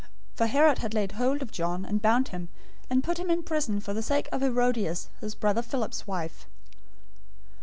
014:003 For Herod had laid hold of John, and bound him, and put him in prison for the sake of Herodias, his brother Philip's wife.